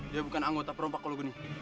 dia bukan anggota perompak kalau gini